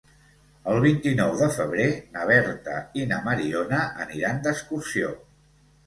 El vint-i-nou de febrer na Berta i na Mariona aniran d'excursió.